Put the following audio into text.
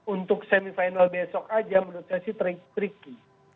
untuk semifinal besok aja menurut saya sih tricky